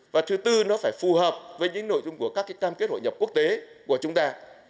và thứ tư nó phải phù hợp với những nội dung của các cam kết hội nhập quốc tế của chúng ta